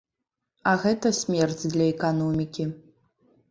А гэта смерць для эканомікі.